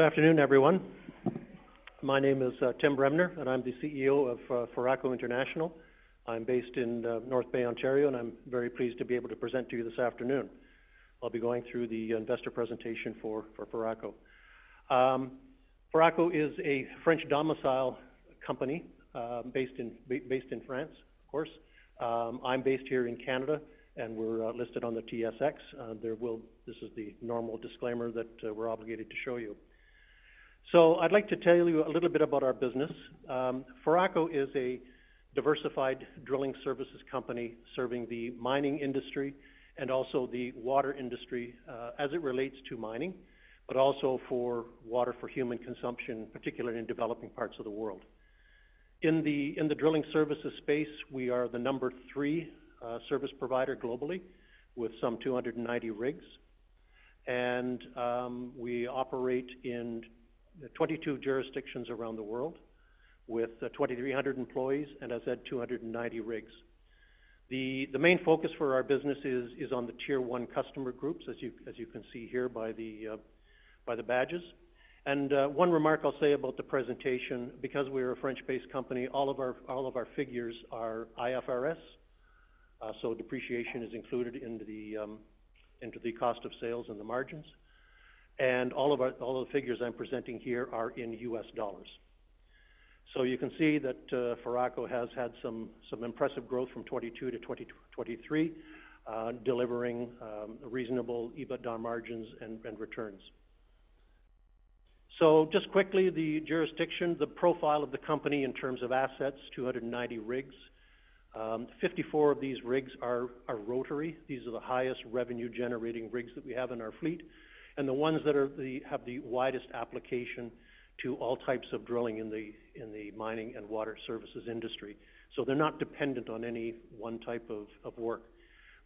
Good afternoon, everyone. My name is Tim Bremner, and I'm the CEO of Foraco International. I'm based in North Bay, Ontario, and I'm very pleased to be able to present to you this afternoon. I'll be going through the investor presentation for Foraco. Foraco is a French domicile company based in France, of course. I'm based here in Canada, and we're listed on the TSX. This is the normal disclaimer that we're obligated to show you. So I'd like to tell you a little bit about our business. Foraco is a diversified drilling services company serving the mining industry and also the water industry as it relates to mining, but also for water for human consumption, particularly in developing parts of the world. In the drilling services space, we are the number three service provider globally with some 290 rigs. And we operate in 22 jurisdictions around the world with 2,300 employees, and as I said, 290 rigs. The main focus for our business is on the Tier one customer groups, as you can see here by the badges. And one remark I'll say about the presentation, because we are a French-based company, all of our figures are IFRS. So depreciation is included into the cost of sales and the margins. And all the figures I'm presenting here are in US dollars. You can see that Foraco has had some impressive growth from 2022 to 2023, delivering reasonable EBITDA margins and returns. Just quickly, the jurisdiction, the profile of the company in terms of assets, 290 rigs. 54 of these rigs are rotary. These are the highest revenue-generating rigs that we have in our fleet, and the ones that have the widest application to all types of drilling in the mining and water services industry. So they're not dependent on any one type of work.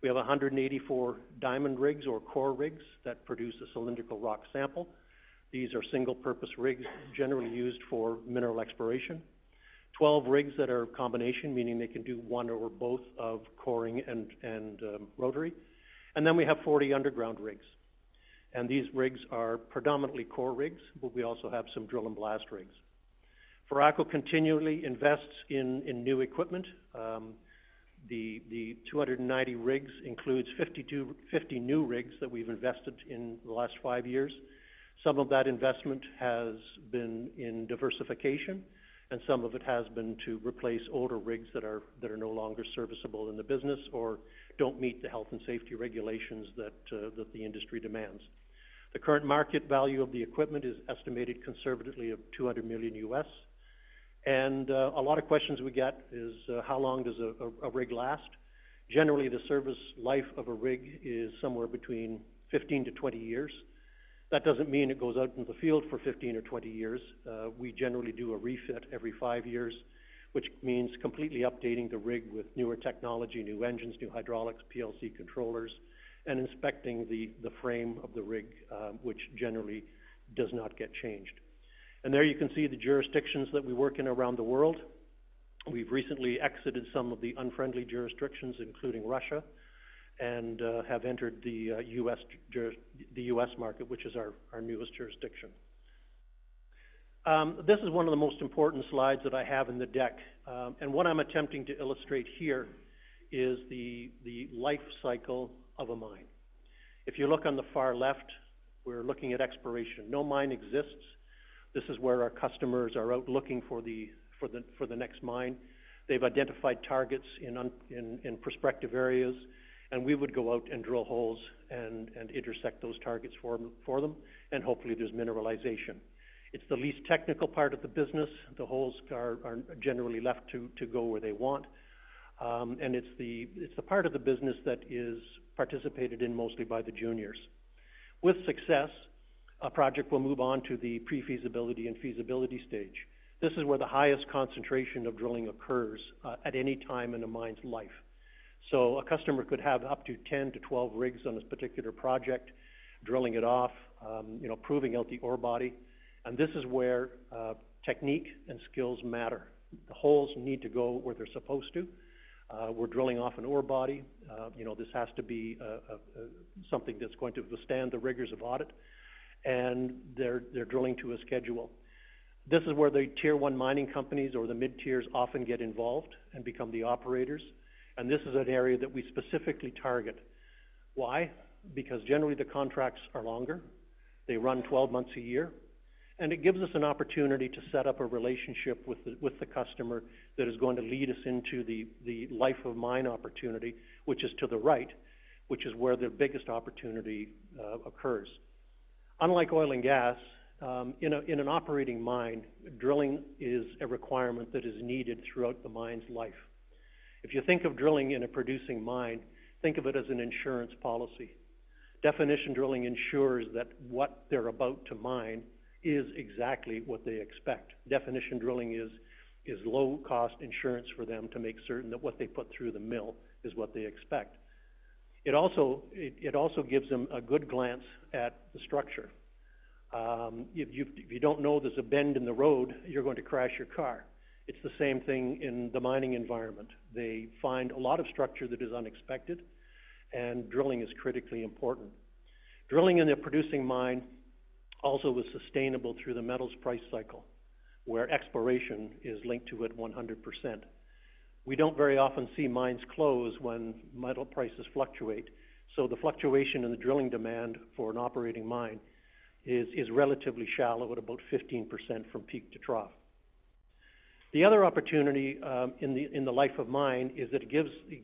We have 184 diamond rigs or core rigs that produce a cylindrical rock sample. These are single-purpose rigs, generally used for mineral exploration. 12 rigs that are a combination, meaning they can do one or both of coring and rotary. And then we have 40 underground rigs, and these rigs are predominantly core rigs, but we also have some drill and blast rigs. Foraco continually invests in new equipment. The 290 rigs includes 52... 50 new rigs that we've invested in the last five years. Some of that investment has been in diversification, and some of it has been to replace older rigs that are no longer serviceable in the business or don't meet the health and safety regulations that the industry demands. The current market value of the equipment is estimated conservatively of $200 million. A lot of questions we get is, "How long does a rig last?" Generally, the service life of a rig is somewhere between 15-20 years. That doesn't mean it goes out into the field for 15 or 20 years. We generally do a refit every five years, which means completely updating the rig with newer technology, new engines, new hydraulics, PLC controllers, and inspecting the frame of the rig, which generally does not get changed. There you can see the jurisdictions that we work in around the world. We've recently exited some of the unfriendly jurisdictions, including Russia, and have entered the US juris-- the US market, which is our newest jurisdiction. This is one of the most important slides that I have in the deck. What I'm attempting to illustrate here is the life cycle of a mine. If you look on the far left, we're looking at exploration. No mine exists. This is where our customers are out looking for the next mine. They've identified targets in prospective areas, and we would go out and drill holes and intersect those targets for them, and hopefully, there's mineralization. It's the least technical part of the business. The holes are generally left to go where they want, and it's the part of the business that is participated in mostly by the juniors. With success, a project will move on to the pre-feasibility and feasibility stage. This is where the highest concentration of drilling occurs at any time in a mine's life. So a customer could have up to ten to twelve rigs on this particular project, drilling it off, you know, proving out the ore body, and this is where technique and skills matter. The holes need to go where they're supposed to. We're drilling off an ore body. You know, this has to be something that's going to withstand the rigors of audit, and they're drilling to a schedule. This is where the Tier one mining companies or the mid tiers often get involved and become the operators, and this is an area that we specifically target. Why? Because generally, the contracts are longer. They run 12 months a year, and it gives us an opportunity to set up a relationship with the customer that is going to lead us into the life-of-mine opportunity, which is to the right, which is where the biggest opportunity occurs. Unlike oil and gas, in an operating mine, drilling is a requirement that is needed throughout the mine's life. If you think of drilling in a producing mine, think of it as an insurance policy. Definition drilling ensures that what they're about to mine is exactly what they expect. Definition drilling is low-cost insurance for them to make certain that what they put through the mill is what they expect. It also gives them a good glance at the structure. If you don't know there's a bend in the road, you're going to crash your car. It's the same thing in the mining environment. They find a lot of structure that is unexpected, and drilling is critically important. Drilling in a producing mine also was sustainable through the metals price cycle, where exploration is linked to it 100%. We don't very often see mines close when metal prices fluctuate, so the fluctuation in the drilling demand for an operating mine is relatively shallow at about 15% from peak to trough. The other opportunity in the life of mine is that it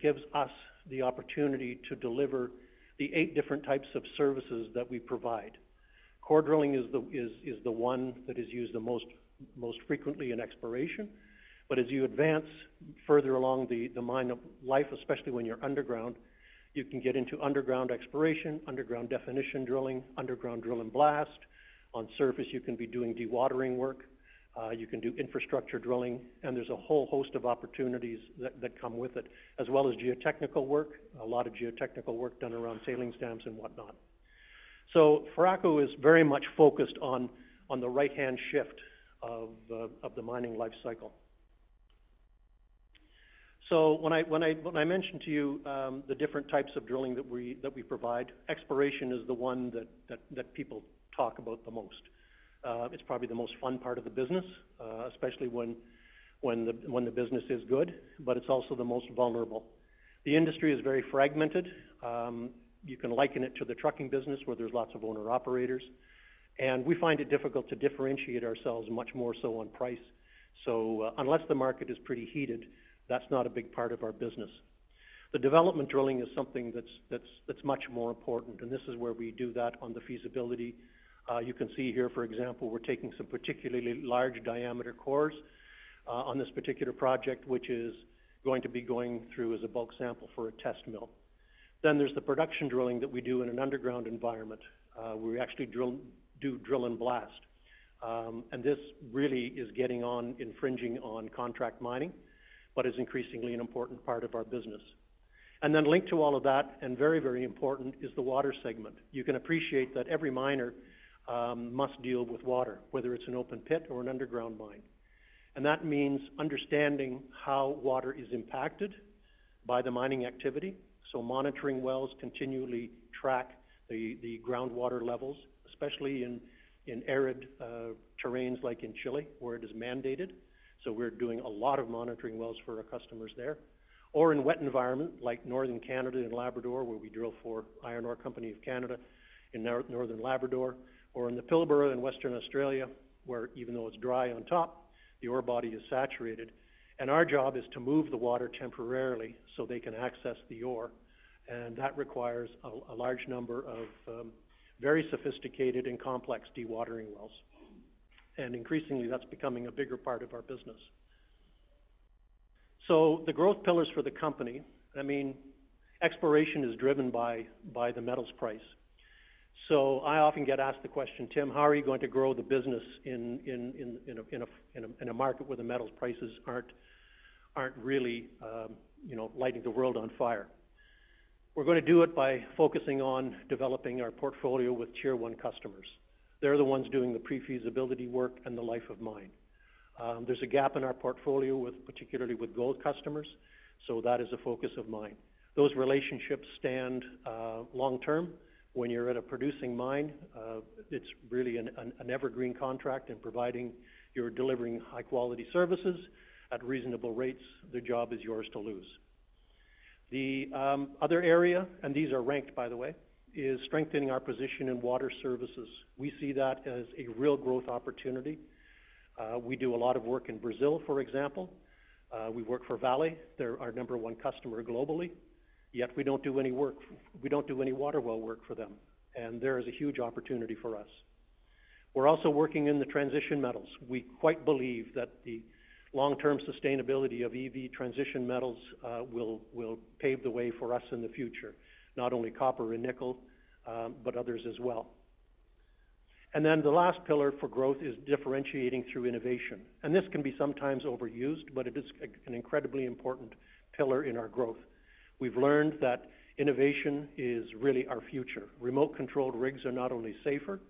gives us the opportunity to deliver the eight different types of services that we provide. Core drilling is the one that is used the most frequently in exploration. But as you advance further along the life of mine, especially when you're underground, you can get into underground exploration, underground definition drilling, underground drill and blast. On surface, you can be doing dewatering work, you can do infrastructure drilling, and there's a whole host of opportunities that come with it, as well as geotechnical work, a lot of geotechnical work done around tailings dams and whatnot. Foraco is very much focused on the right-hand shift of the mining life cycle. When I mentioned to you the different types of drilling that we provide, exploration is the one that people talk about the most. It's probably the most fun part of the business, especially when the business is good, but it's also the most vulnerable. The industry is very fragmented. You can liken it to the trucking business, where there's lots of owner-operators, and we find it difficult to differentiate ourselves much more so on price. So unless the market is pretty heated, that's not a big part of our business. The development drilling is something that's much more important, and this is where we do that on the feasibility. You can see here, for example, we're taking some particularly large diameter cores on this particular project, which is going to be going through as a bulk sample for a test mill. Then there's the production drilling that we do in an underground environment, where we actually drill and blast. This really is getting on, infringing on contract mining, but is increasingly an important part of our business. And then linked to all of that, and very, very important, is the water segment. You can appreciate that every miner must deal with water, whether it's an open pit or an underground mine. And that means understanding how water is impacted by the mining activity. So monitoring wells continually track the groundwater levels, especially in arid terrains like in Chile, where it is mandated. So we're doing a lot of monitoring wells for our customers there, or in wet environment like Northern Canada and Labrador, where we drill for Iron Ore Company of Canada in Northern Labrador, or in the Pilbara in Western Australia, where even though it's dry on top, the ore body is saturated. Our job is to move the water temporarily so they can access the ore, and that requires a large number of very sophisticated and complex dewatering wells. Increasingly, that's becoming a bigger part of our business. The growth pillars for the company, I mean, exploration is driven by the metals price. I often get asked the question, Tim, how are you going to grow the business in a market where the metals prices aren't really, you know, lighting the world on fire? We're gonna do it by focusing on developing our portfolio with Tier One customers. They're the ones doing the pre-feasibility work and the life of mine. There's a gap in our portfolio with, particularly with gold customers, so that is a focus of mine. Those relationships stand long-term. When you're at a producing mine, it's really an evergreen contract and providing you're delivering high-quality services at reasonable rates, the job is yours to lose. The other area, and these are ranked, by the way, is strengthening our position in water services. We see that as a real growth opportunity. We do a lot of work in Brazil, for example. We work for Vale. They're our number one customer globally, yet we don't do any water well work for them, and there is a huge opportunity for us. We're also working in the transition metals. We quite believe that the long-term sustainability of EV transition metals will pave the way for us in the future, not only copper and nickel, but others as well. And then the last pillar for growth is differentiating through innovation. This can be sometimes overused, but it is an incredibly important pillar in our growth. We've learned that innovation is really our future. Remote-controlled rigs are not only safer,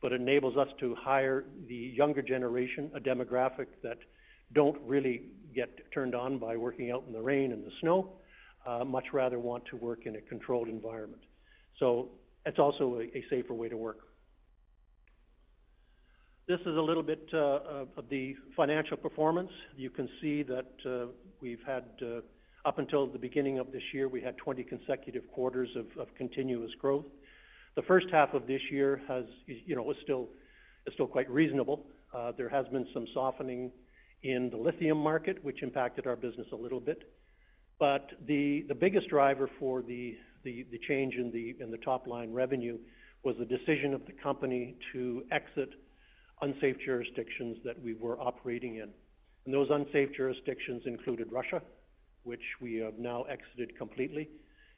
but enables us to hire the younger generation, a demographic that don't really get turned on by working out in the rain and the snow, much rather want to work in a controlled environment. So it's also a safer way to work. This is a little bit of the financial performance. You can see that, we've had, up until the beginning of this year, we had 20 consecutive quarters of continuous growth. The first half of this year is, you know, still quite reasonable. There has been some softening in the lithium market, which impacted our business a little bit. But the biggest driver for the change in the top line revenue was the decision of the company to exit unsafe jurisdictions that we were operating in. And those unsafe jurisdictions included Russia, which we have now exited completely,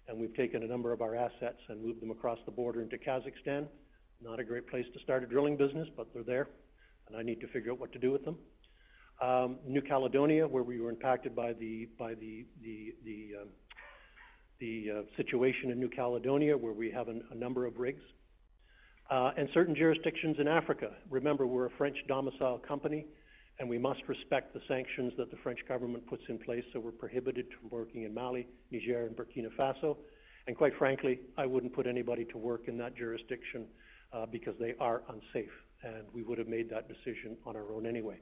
and we've taken a number of our assets and moved them across the border into Kazakhstan. Not a great place to start a drilling business, but they're there, and I need to figure out what to do with them. New Caledonia, where we were impacted by the situation in New Caledonia, where we have a number of rigs, and certain jurisdictions in Africa. Remember, we're a French domicile company, and we must respect the sanctions that the French government puts in place, so we're prohibited from working in Mali, Niger, and Burkina Faso. And quite frankly, I wouldn't put anybody to work in that jurisdiction because they are unsafe, and we would have made that decision on our own anyway.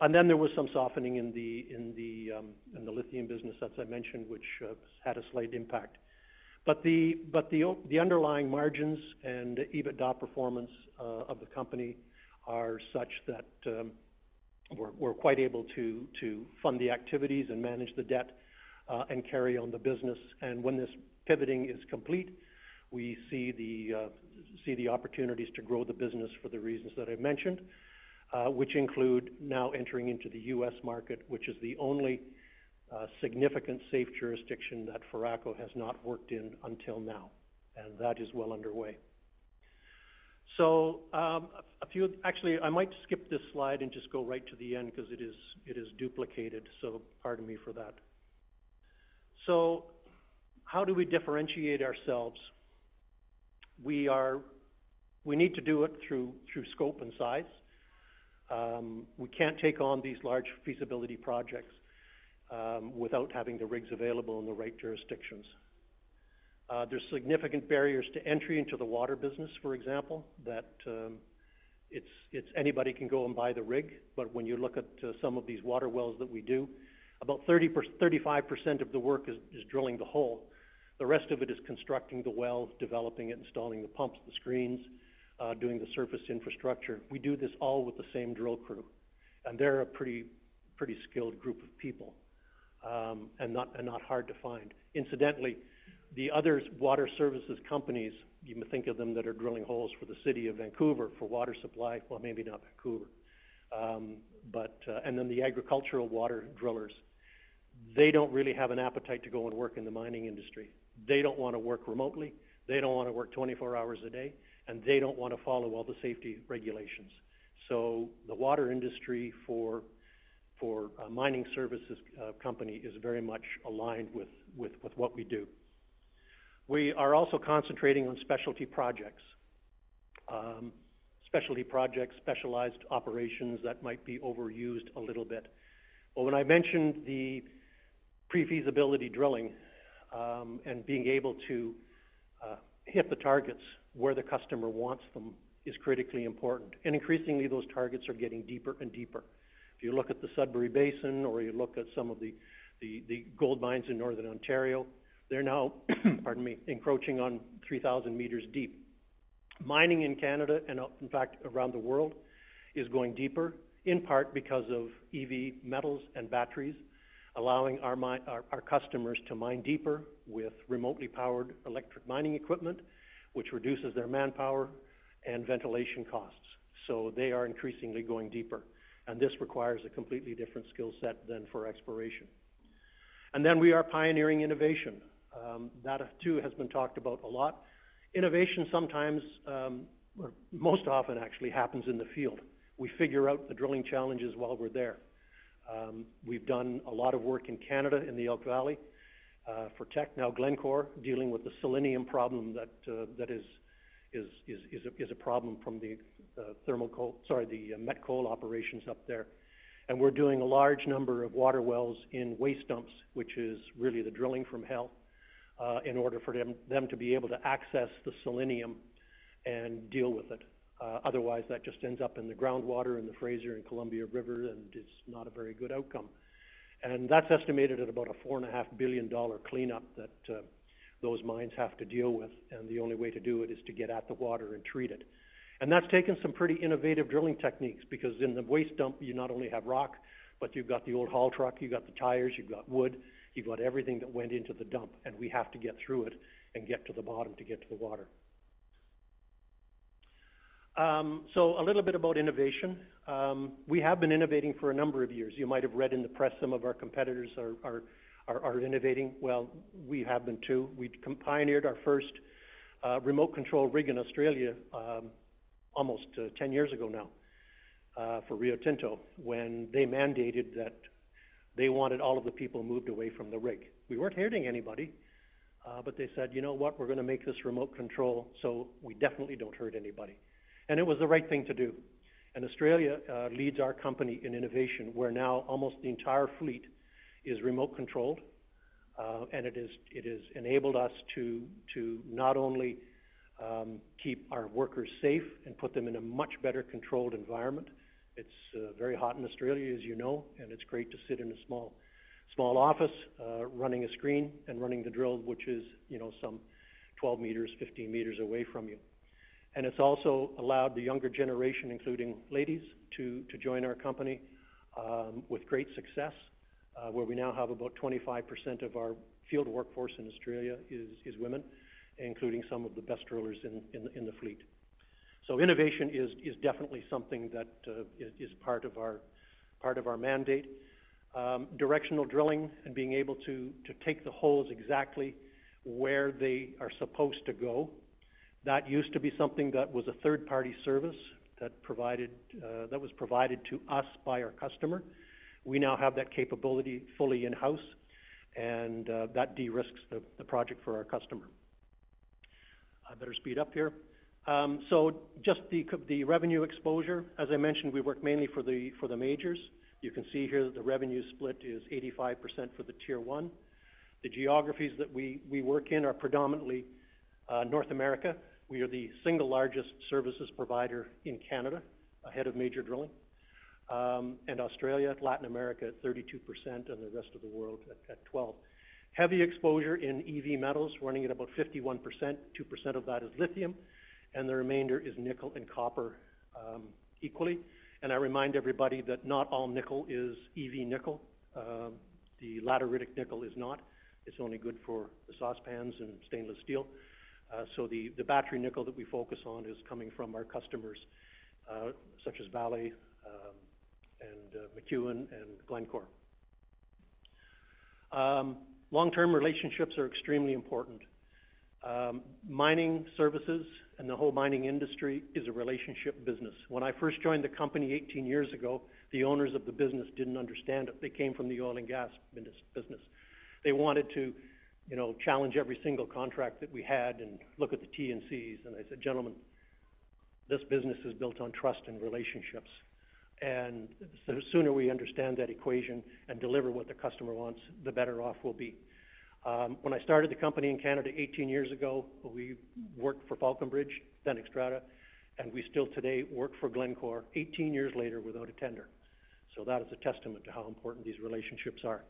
And then there was some softening in the lithium business, as I mentioned, which had a slight impact. But the underlying margins and the EBITDA performance of the company are such that we're quite able to fund the activities and manage the debt and carry on the business. And when this pivoting is complete, we see the opportunities to grow the business for the reasons that I mentioned, which include now entering into the U.S. market, which is the only significant safe jurisdiction that Foraco has not worked in until now, and that is well underway. So, a few... Actually, I might skip this slide and just go right to the end because it is duplicated, so pardon me for that. So how do we differentiate ourselves? We need to do it through scope and size. We can't take on these large feasibility projects without having the rigs available in the right jurisdictions. There's significant barriers to entry into the water business, for example, that it's anybody can go and buy the rig, but when you look at some of these water wells that we do, about 35% of the work is drilling the hole. The rest of it is constructing the well, developing it, installing the pumps, the screens, doing the surface infrastructure. We do this all with the same drill crew, and they're a pretty, pretty skilled group of people, and not hard to find. Incidentally, the other water services companies, you may think of them, that are drilling holes for the city of Vancouver, for water supply, well, maybe not Vancouver, but. And then the agricultural water drillers, they don't really have an appetite to go and work in the mining industry. They don't want to work remotely, they don't want to work twenty-four hours a day, and they don't want to follow all the safety regulations. So the water industry for a mining services company is very much aligned with what we do. We are also concentrating on specialty projects. Specialty projects, specialized operations that might be overused a little bit. When I mentioned the pre-feasibility drilling, and being able to hit the targets where the customer wants them, is critically important. Increasingly, those targets are getting deeper and deeper. If you look at the Sudbury Basin, or you look at some of the gold mines in Northern Ontario, they're now, pardon me, encroaching on 3,000 meters deep. Mining in Canada, and in fact, around the world, is going deeper, in part because of EV metals and batteries, allowing our customers to mine deeper with remotely powered electric mining equipment, which reduces their manpower and ventilation costs. They are increasingly going deeper, and this requires a completely different skill set than for exploration. We are pioneering innovation. That too has been talked about a lot. Innovation sometimes, most often actually happens in the field. We figure out the drilling challenges while we're there. We've done a lot of work in Canada, in the Elk Valley, for Teck, now Glencore, dealing with the selenium problem that is a problem from the thermal coal - sorry, the met coal operations up there. We're doing a large number of water wells in waste dumps, which is really the drilling from hell, in order for them to be able to access the selenium and deal with it. Otherwise, that just ends up in the groundwater in the Fraser River and Columbia River, and it's not a very good outcome. That's estimated at about a $4.5 billion cleanup that those mines have to deal with, and the only way to do it is to get at the water and treat it. That's taken some pretty innovative drilling techniques, because in the waste dump, you not only have rock, but you've got the old haul truck, you've got the tires, you've got wood, you've got everything that went into the dump, and we have to get through it and get to the bottom to get to the water. A little bit about innovation. We have been innovating for a number of years. You might have read in the press, some of our competitors are innovating. We have been too. We're pioneering our first remote control rig in Australia almost 10 years ago now for Rio Tinto, when they mandated that they wanted all of the people moved away from the rig. We weren't hurting anybody, but they said, "You know what? We're gonna make this remote control, so we definitely don't hurt anybody." And it was the right thing to do. And Australia leads our company in innovation, where now almost the entire fleet is remote controlled, and it has enabled us to not only keep our workers safe and put them in a much better controlled environment. It's very hot in Australia, as you know, and it's great to sit in a small office, running a screen and running the drill, which is, you know, some 12 meters, 15 meters away from you. And it's also allowed the younger generation, including ladies, to join our company with great success, where we now have about 25% of our field workforce in Australia is women, including some of the best drillers in the fleet. So innovation is definitely something that is part of our mandate. Directional drilling and being able to take the holes exactly where they are supposed to go, that used to be something that was a third-party service that was provided to us by our customer. We now have that capability fully in-house, and that de-risks the project for our customer. I better speed up here. So just the revenue exposure. As I mentioned, we work mainly for the majors. You can see here that the revenue split is 85% for the tier one. The geographies that we work in are predominantly North America. We are the single largest services provider in Canada, ahead of major drilling, and Australia, Latin America, 32%, and the rest of the world at 12%. Heavy exposure in EV metals, running at about 51%, 2% of that is lithium, and the remainder is nickel and copper, equally, and I remind everybody that not all nickel is EV nickel. The lateritic nickel is not. It's only good for the saucepans and stainless steel, so the battery nickel that we focus on is coming from our customers, such as Valley, and McEwen and Glencore. Long-term relationships are extremely important. Mining services and the whole mining industry is a relationship business. When I first joined the company 18 years ago, the owners of the business didn't understand it. They came from the oil and gas business. They wanted to, you know, challenge every single contract that we had and look at the T&Cs. And I said, "Gentlemen, this business is built on trust and relationships, and the sooner we understand that equation and deliver what the customer wants, the better off we'll be." When I started the company in Canada 18 years ago, we worked for Falconbridge, then Xstrata, and we still today work for Glencore, 18 years later, without a tender. So that is a testament to how important these relationships are.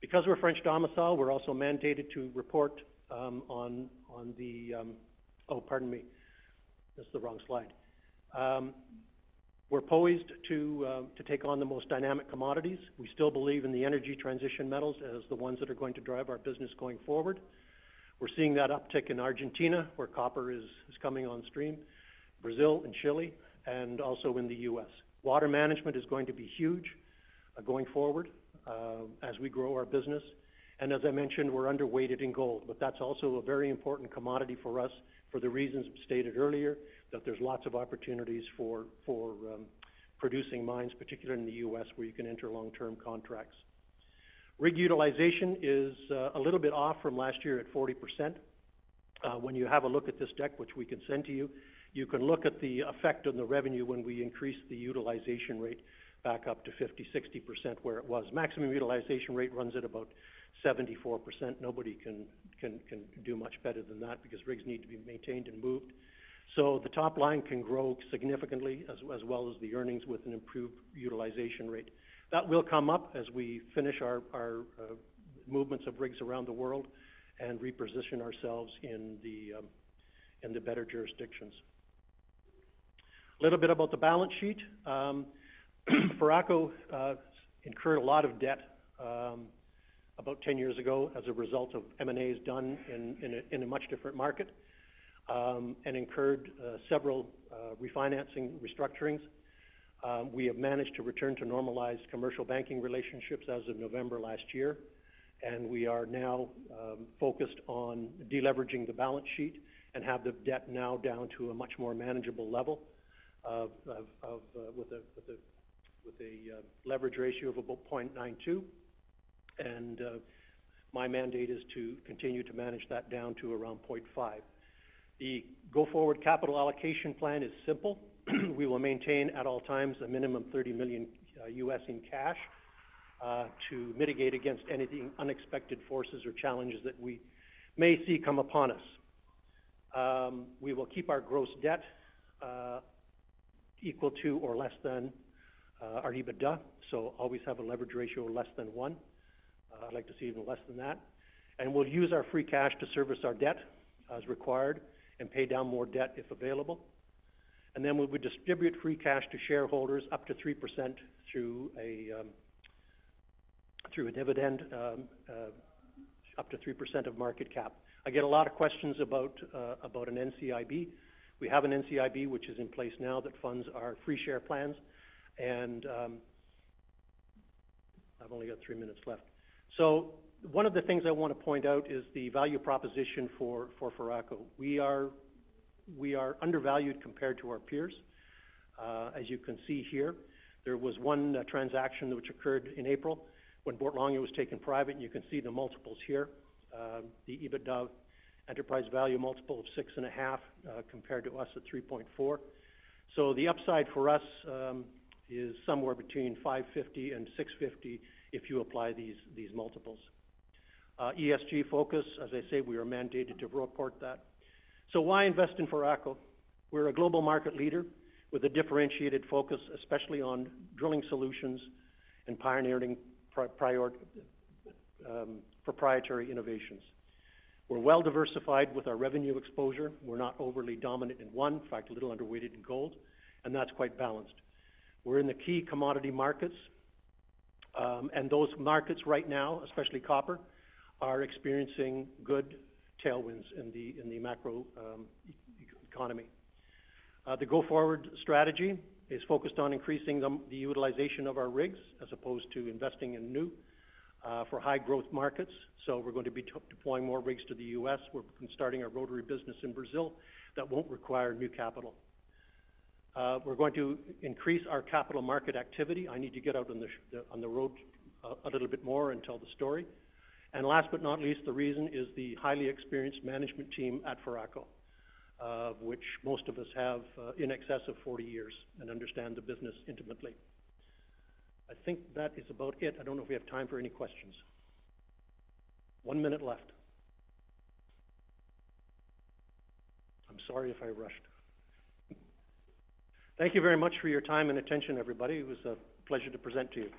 Because we're French domicile, we're also mandated to report on the... Oh, pardon me. That's the wrong slide. We're poised to take on the most dynamic commodities. We still believe in the energy transition metals as the ones that are going to drive our business going forward. We're seeing that uptick in Argentina, where copper is coming on stream, Brazil and Chile, and also in the US. Water management is going to be huge, going forward, as we grow our business, and as I mentioned, we're underweight in gold, but that's also a very important commodity for us for the reasons stated earlier, that there's lots of opportunities for, producing mines, particularly in the US, where you can enter long-term contracts. Rig utilization is a little bit off from last year at 40%. When you have a look at this deck, which we can send to you, you can look at the effect on the revenue when we increase the utilization rate back up to 50%, 60%, where it was. Maximum utilization rate runs at about 74%. Nobody can do much better than that because rigs need to be maintained and moved. So the top line can grow significantly, as well as the earnings with an improved utilization rate. That will come up as we finish our movements of rigs around the world and reposition ourselves in the better jurisdictions. A little bit about the balance sheet. Foraco incurred a lot of debt about 10 years ago as a result of M&As done in a much different market and incurred several refinancing restructurings. We have managed to return to normalized commercial banking relationships as of November last year, and we are now focused on deleveraging the balance sheet and have the debt now down to a much more manageable level, with a leverage ratio of about 0.92, and my mandate is to continue to manage that down to around 0.5. The go-forward capital allocation plan is simple. We will maintain, at all times, a minimum $30 million in cash to mitigate against anything unexpected forces or challenges that we may see come upon us. We will keep our gross debt equal to or less than our EBITDA, so always have a leverage ratio of less than one. I'd like to see even less than that. We'll use our free cash to service our debt as required and pay down more debt, if available. Then we will distribute free cash to shareholders up to 3% through a dividend up to 3% of market cap. I get a lot of questions about an NCIB. We have an NCIB, which is in place now, that funds our free share plans. I've only got three minutes left. One of the things I want to point out is the value proposition for Foraco. We are undervalued compared to our peers. As you can see here, there was one transaction which occurred in April when Boart Longyear was taken private, and you can see the multiples here. The EBITDA enterprise value multiple of six and a half, compared to us at three point four. So the upside for us is somewhere between 550 and 650, if you apply these multiples. ESG focus, as I say, we are mandated to report that. So why invest in Foraco? We're a global market leader with a differentiated focus, especially on drilling solutions and pioneering prior proprietary innovations. We're well-diversified with our revenue exposure. We're not overly dominant in one, in fact, a little underweighted in gold, and that's quite balanced. We're in the key commodity markets, and those markets right now, especially copper, are experiencing good tailwinds in the macro economy. The go-forward strategy is focused on increasing the utilization of our rigs as opposed to investing in new for high growth markets. So we're going to be de-deploying more rigs to the U.S. We're starting our rotary business in Brazil. That won't require new capital. We're going to increase our capital market activity. I need to get out on the road a little bit more and tell the story. And last but not least, the reason is the highly experienced management team at Foraco, which most of us have in excess of 40 years and understand the business intimately. I think that is about it. I don't know if we have time for any questions. One minute left. I'm sorry if I rushed. Thank you very much for your time and attention, everybody. It was a pleasure to present to you.